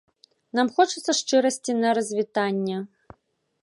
Нам хочацца шчырасці на развітанне.